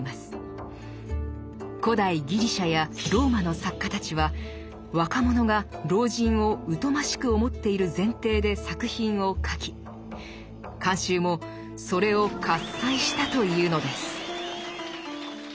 古代ギリシャやローマの作家たちは若者が老人を疎ましく思っている前提で作品を書き観衆もそれを喝采したというのです。